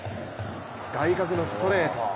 外角のストレート。